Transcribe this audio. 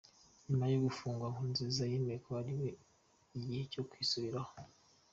Nyuma yo gufungwa , Nkurunziza yamenye ko ari igihe cyo kwisubiraho.